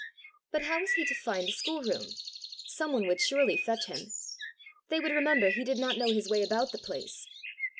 But how was he to find the schoolroom! Some one would surely fetch him! They would remember he did not know his way about the place!